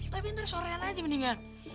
tapi ntar sorean aja meninggal